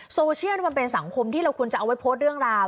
โซเชียลมันเป็นสังคมที่เราควรจะเอาไว้โพสต์เรื่องราว